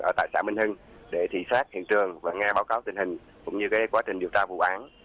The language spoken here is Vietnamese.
ở tại xã minh hưng để thị sát hiện trường và nghe báo cáo tình hình cũng như quá trình điều tra vụ án